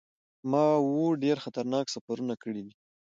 ما اووه ډیر خطرناک سفرونه کړي دي.